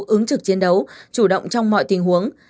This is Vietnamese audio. ứng trực chiến đấu chủ động trong mọi tình huống